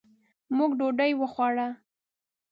موږ ډوډۍ وخوړه.